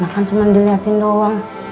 makan cuma dilihatin doang